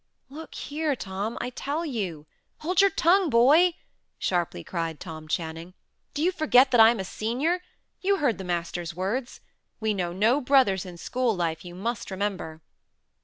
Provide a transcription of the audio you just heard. "Look here, Tom. I tell you " "Hold your tongue, boy!" sharply cried Tom Channing. "Do you forget that I am a senior? You heard the master's words. We know no brothers in school life, you must remember."